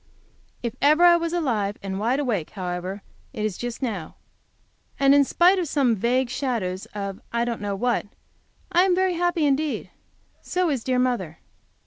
If ever I was alive and wide awake, however, it is just now, and in spite of some vague shadows of, I don't know what, I am very happy indeed. So is dear mother.